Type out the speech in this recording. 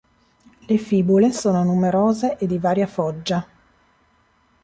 Le fibule sono numerose e di varia foggia.